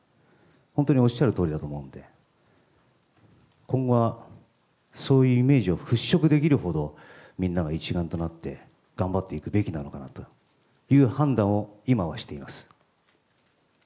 本当におっしゃるとおりだと思うので、今後はそういうイメージを払拭できるほど、みんなが一丸となって頑張っていくべきなのかなという判断を今はしています。